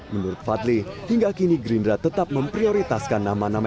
menurut fadli hingga kini gerindra tetap memprioritaskan nama nama